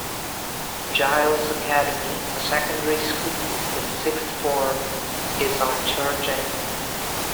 Giles Academy, a secondary school with sixth form, is on Church End.